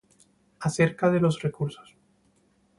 Acerca de los recursos